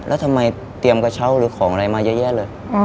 แล้วทำไมเตรียมกระเช้าหรือของอะไรมาเยอะแยะเลย